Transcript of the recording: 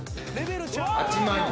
８万円。